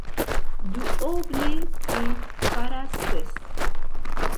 Duoble tri faras ses.